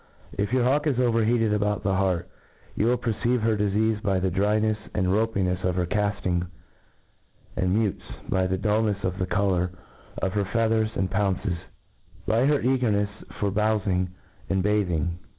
If your hawk is over heated about the heart, )rou will perceive her difeafe by the drynefs and ropinefs of her cafting and mutes, by the dulnefs of the colour of her feathers and pounces,^ by her eagcrnefs for bowfing and bathing.